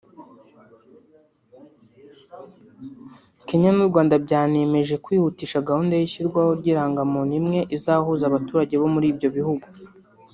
Kenya n’u Rwanda byanemeje kwihutisha gahunda y’ishyirwaho ry’irangamuntu imwe izahuza abaturage bo muri ibyo bihugu